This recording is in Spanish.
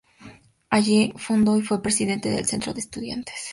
Allí fundó y fue presidente del Centro de Estudiantes.